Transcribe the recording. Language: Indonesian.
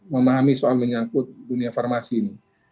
memahami soal menyangkut dunia farmasi ini